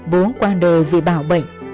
bố qua đời vì bạo bệnh